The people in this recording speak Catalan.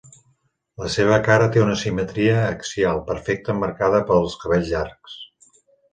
La seva cara té una simetria axial perfecta emmarcada per els cabells llargs.